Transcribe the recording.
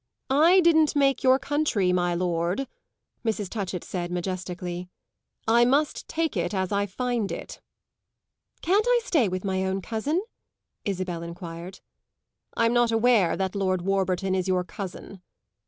"I didn't make your country, my lord," Mrs. Touchett said majestically. "I must take it as I find it." "Can't I stay with my own cousin?" Isabel enquired. "I'm not aware that Lord Warburton is your cousin."